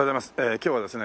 今日はですね